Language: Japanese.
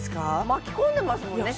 巻き込んでますもんね